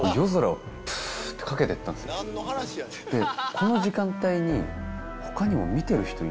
この時間帯に。